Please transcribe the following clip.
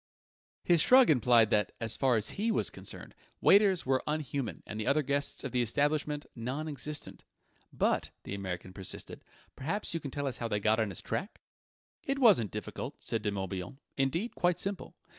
His shrug implied that, as far as he was concerned, waiters were unhuman and the other guests of the establishment non existent. "But," the American persisted, "perhaps you can tell us how they got on his track?" "It wasn't difficult," said De Morbihan: "indeed, quite simple.